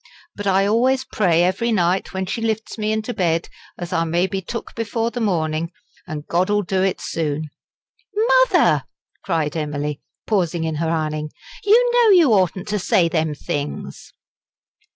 But I always pray every night, when she lifts me into bed, as I may be took before the morning, an' God ull do it soon." "Mother!" cried Emily, pausing in her ironing, "you know you oughtn't to say them things."